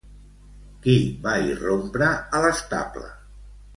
Qui va irrompre a l'estable?